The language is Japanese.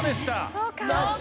そうか。